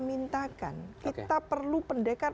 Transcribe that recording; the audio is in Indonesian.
minta kan kita perlu pendekat